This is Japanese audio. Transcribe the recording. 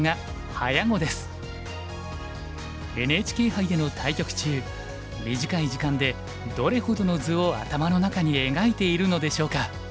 ＮＨＫ杯での対局中短い時間でどれほどの図を頭の中に描いているのでしょうか？